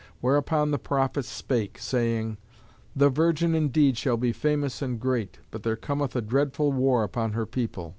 Whereupon the prophets spake, saying, "The virgin indeed shall be famous and great, but there cometh a dreadful war upon her people."